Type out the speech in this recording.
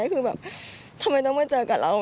คือแบบทำไมต้องมาเจอกับเรา